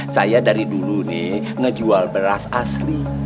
saya dari dulu nih ngejual beras asli